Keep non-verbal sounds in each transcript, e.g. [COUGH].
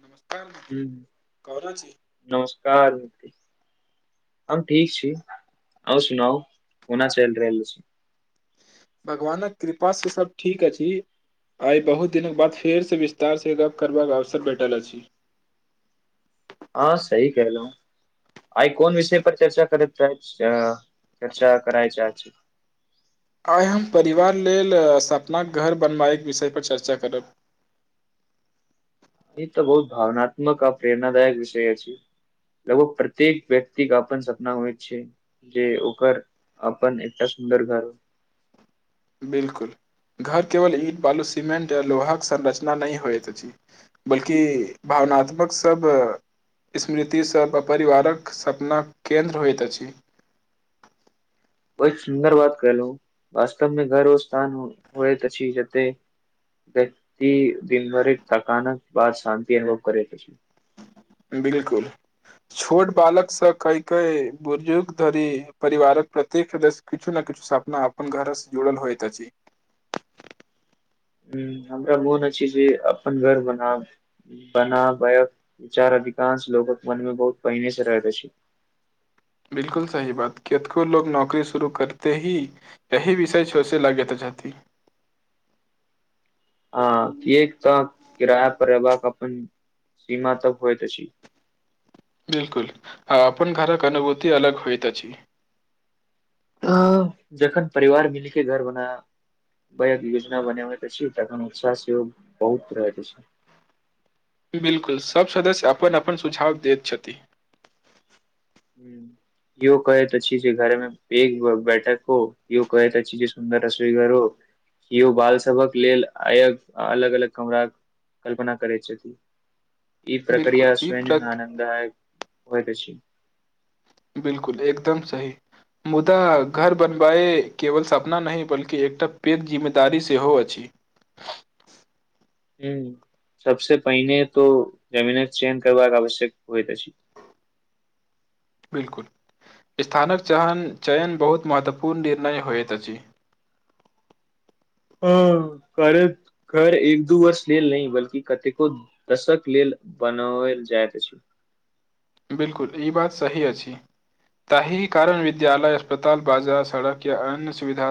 नमसकार। [UNINTELLIGIBLE] ह नमस्कार मि। [UNINTELLIGIBLE] हम ठीक छी आउ सुनाउ कोना चैल रहलल छै। [UNINTELLIGIBLE] भगवानक कृपासँ सभ ठीक अछि आइ बहुत दिनक बाद फेरसँ विस्तारसँ गप्प करबाक अवसर भेटल अछि। [UNINTELLIGIBLE] हँ सही कहलहु आइ कोन विषय पर चर्चा करैत च चर्चा करए छै -छै। [UNINTELLIGIBLE] आइ हम परिवार लेल सपना घर बनबाएक विषय पर चर्चा करब। [UNINTELLIGIBLE] ई तऽ बहुत भावनात्मक आ प्रेरणादायक विषय छै लगभग प्रत्येक व्यक्तिके अपन सपना होइत छै जे ओकर अपन एकटा सुन्दर घर हो। [UNINTELLIGIBLE] बिलकुल घर केवल ईट बालू सिमेंट य लोहाक संरचना नहि होइत अछि बल्कि भावनात्मक सब स्मृति- सब परिवारक सपना केन्द्र होइत अछि। [UNINTELLIGIBLE] बहुत सुन्दर बात कलहु वास्तवमे घर ओ स्थान होइ त ज गति- दिनभरित तकानक बाद शान्ति अनुभव करै। [UNINTELLIGIBLE] बिलकुल छोट बालक स कै कै बुजुर्ग धरि परिवारक प्रत्येक सदस्य किछु ने किछु सपना अपन घरसँ जुड़ल होइतत अछि। [UNINTELLIGIBLE] ह हमरा मोन अछि जे अपन घर बना- बना बय विचार अधिकांश लोकोक मनमे बहुत पहिने से रहैत अछि। [UNINTELLIGIBLE] बिलकुल सही बात कितको लोकोग नौकरी शुरू करते ही यही विषय छोसे लागागेत चति। [UNINTELLIGIBLE] हँ किी एक त किराय परयभाग अपनन- सीमा तक होइ तस। बिलकुल अपन घरक अनुभूति अलग होइ त छी। [UNINTELLIGIBLE] जखन परिवार मिलके घर- बनाबयक योजना बनाबैत छी तखन उत्साहग -बहुत रहैत छै। [UNINTELLIGIBLE] बिलकुल सब सदस्य अपन अपन सुझाव दैत छथि। [UNINTELLIGIBLE] ह यो कहैत अछि जे घरमे प बैठक हो यो कहैत अछि जे सुन्दर रसोई घर हो यो बाल सभक लेल अय अलग -अलग कमरााक कल्पना करैत छथि। ई बिलकुल प्रक्रिया ई स्वयं प्रक आनन्दाय। [UNINTELLIGIBLE] हो त छी। [UNINTELLIGIBLE] बिलकुल एकदम सही मुदा घर बनबए केवल सपना नहि बल्कि एकटा पेघ जिम्मेदारी सेहो अछि। [UNINTELLIGIBLE] ह सबसे पहिने तो जमीने चेन करबाक आवश्यक होइत अछि। [UNINTELLIGIBLE] बिलकुल स्थानक चन चयन- बहुत महत्वपूर्ण निर्णय होइत अछि। [UNINTELLIGIBLE] ह कर घर एक- [UNINTELLIGIBLE] दू वर्ष लेल नहि बल्कि कतेको दशक लेल बनाओल जाइत अछि। बिलकुल ई बात सही अछि ताहि कारण विद्यालय अस्पताल बाजार सड़क या अन्य सुविधा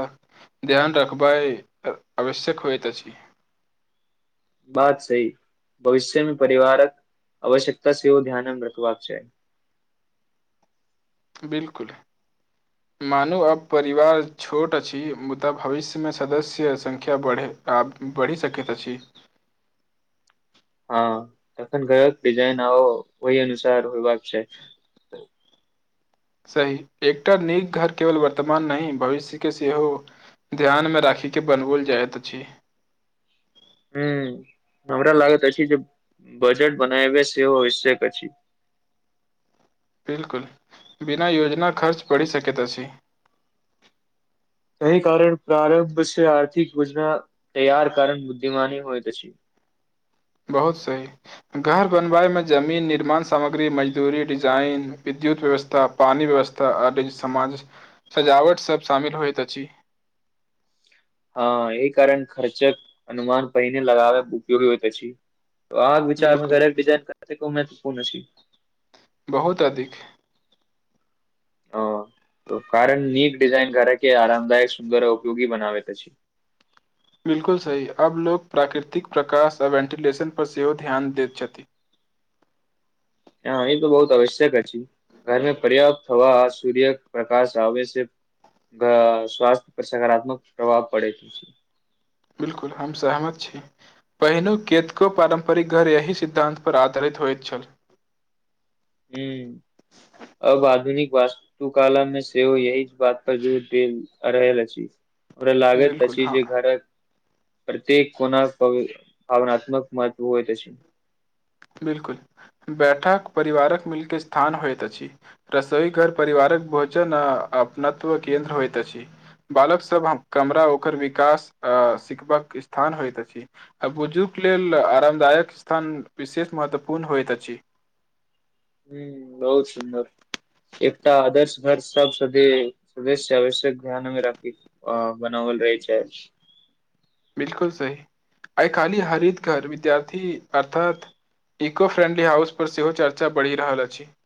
ध्यान रखबा आवश्यक होइत अछि। [UNINTELLIGIBLE] सही भविष्यमे परिवारक आवश्यकता सेहो ध्यानमे रखबाक चाही। [UNINTELLIGIBLE] बिलकुल -मानू अब परिवार छोट अछि मुदा भविष्य मे सदस्य संख्या बढ़े -बढ़ि सकैत अछि। [UNINTELLIGIBLE] हँ तखन गय िजाइन आ ओहि अनुसार होयबाक छै। [UNINTELLIGIBLE] सही एकटा नीक घर केवल वर्तमान नहि भविष्य के सेहो ध्यान मे राखी के बनओल जाइत अछि। [UNINTELLIGIBLE] ह हमरा लागैत अछि जे- बजट बनाय से आवश्यक। बिलकुल बिना योजना खर्च पड़ सक त छै। [UNINTELLIGIBLE] अी कारण प्रारं्भ छै आर्थिक योजना- तैयार कारण बुद्धिमनी होइ प छै। [UNINTELLIGIBLE] बहुत सही घर बनबाायमे जमीन निर्माण सामग्री मजदूरी डिजाइन विद्युत व्यवस्था पानि व्यवस्था आ समाज सजावटसभ -शामिल होइत अछि। [UNINTELLIGIBLE] हँ ई कारण खर्चक- अनुमान पहिने लगाबे उपयोगी होइ प। [UNINTELLIGIBLE] आग बिल्कुल विचारमेर िजाइन कर। [UNINTELLIGIBLE] एतेक महत्वपूर्ण छी। [UNINTELLIGIBLE] बहुत अधिक। [UNINTELLIGIBLE] ओ कारण नीक िजाइन करैके आराामदायक सुन्दर आ उपयोगी बनाब प। [UNINTELLIGIBLE] बिलकुल सही अब लोकोग प्राकृतिक प्रकाश आ वेंटिलेशन पर सेहो ध्यान दैत छथि। [UNINTELLIGIBLE] हँ ई त बहुत आवश्यक अछि घरमे पर्याप्त होब सूर्य प्रकाश आै -से स्वासथ्य पर सकारात्मक प्रभाव पड़े। [UNINTELLIGIBLE] बिलकुल हम सहमत छी पहिनु केतको पारम्परिक घर एहि सिद्धानं्तपर आधारित होइत छल। [UNINTELLIGIBLE] ह अब आधुनिक वास्तुकालमे सेहो यही बात पर जोर द रहल अछि। [UNINTELLIGIBLE] हमरा लागे बिल्कुल पछी हँ जे घर। [UNINTELLIGIBLE] प्रत्येक कोना- भावनात्मक महत्व होइ त छै। [UNINTELLIGIBLE] बिलकुल बैठक परिवारक मिलके स्थान होइत अछि रसोई घर परिवारक भोजन आ अपत्व केन्द्र होइत अछि बालक सब कमरा ओकर विकास आ सिखबाक स्थान होइत अछि आ बुजुर्ग लेल आरामदायक स्थान। [UNINTELLIGIBLE] विशेष महत्वपूर्ण होइत अछि। [UNINTELLIGIBLE] हूं बहुत सुन्दर एकटा आदर्श घर सब स सदस्य आवश्यक ध्यान मे राखि बनावल रहै छै। [UNINTELLIGIBLE] बिलकुल सही आइ खाली हरित घर विद्यार्थी अर्थात इको फ्रेंडली हाउस पर सेहो चर्चा बढ़ि रहल अछि। [UNINTELLIGIBLE]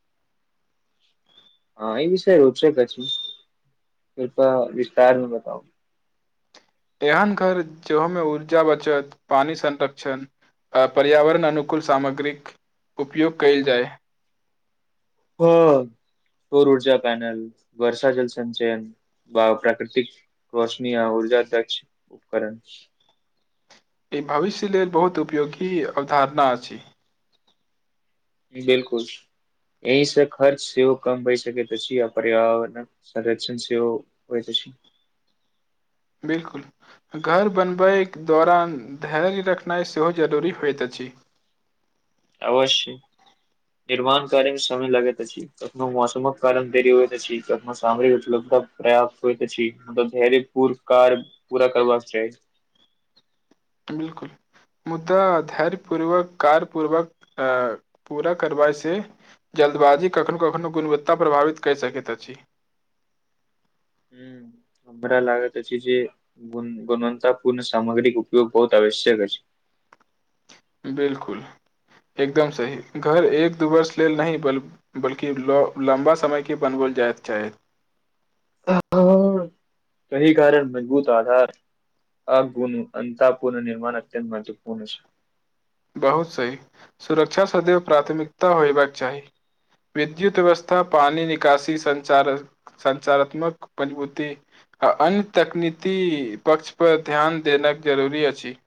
हँ ई विषय रूप छै कचछमे कृपा विस्तारमे बताउ। [UNINTELLIGIBLE] एहन घर जेहोमे ऊर्जा बचत पानी संरक्षण आ पर्यावरण अनुकूल सामग्रीक- उपयोग कयल जाय [UNINTELLIGIBLE] ह सौर ऊर्जा पेनल वर्षा जल संचयन ब प्राकृतिक रोशनी आ ऊर्जा द्ष उपकरण। [UNINTELLIGIBLE] ई भविष्य लेल बहुत उपयोगी अवधारणा अछि। [UNINTELLIGIBLE] बिलकुल अहि से खर्च सेवो कम होइ सक प आ पर्यावरणक संर्षण सेव होइत अछी। [UNINTELLIGIBLE] बिल्कुल घर बनबैके दौरान धैर्य रखनाइ सेहो जरूरी होइत अछि। [UNINTELLIGIBLE] अवश्य निर्माण कार्यमे समय लागैत अछि कथनो मौसमक कारण धरी होइत कथनो सामरिक उपलब्धता पर्याप्त होइत म धैर्य पूर कार्य पूरा करबाक जााह। [UNINTELLIGIBLE] बिलकुल मुद्दा धैर्य पूर्वक कार पूर्वक -अ पूरा करबा से जल्दबाजी कखनो कखनो गुणवत्ता प्रभावित कर सकैत अछि। [UNINTELLIGIBLE] हूँ हमरा लागत ह छै जे गुणवन्ता पूर्ण सामग्री उपयोग बहुत आवश्यक ह छै। [UNINTELLIGIBLE] बिलकुल एकदम सही घर एक दू वर्ष लेल -न बल्कि लम्बा समय- के बनबल जाय चाहैत। [UNINTELLIGIBLE] कहि कारण मजबूत आधार आ गुन- अन्ता पूर्न निर्माण अत्यत महत्वपूर्ण छै। [UNINTELLIGIBLE] बहुत सही सुरक्षा सदैव प्राथमिकता होयबाक चाही विद्युत व्यवस्था पानी निकासी संचार सञचारात्मक मजबूती आ अन्य तकनीकी पक्ष पर ध्यान देना जरूरी अछि। [UNINTELLIGIBLE]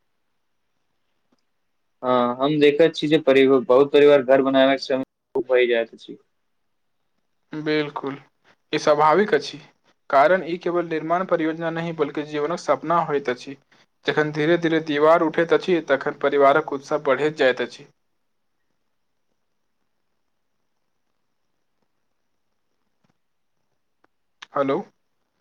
हँ हम देखैत छी जे -बहुत परिवार -घर बनाबै सम हो जाइत छी। [UNINTELLIGIBLE] बिलकुल ई स्वाभाविक अछि कारण ई केवल निर्माण परियोजना नहि बल्कि जीवनक सपना होइत अछि जखन धीरे- धीरे दीवार उठैत अछि तखन परिवारक उत्साह बढ़ैत जाइत अछि। [UNINTELLIGIBLE] हेलो। [UNINTELLIGIBLE]